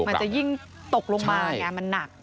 มันจะยิ่งตกลงมาไงมันหนัก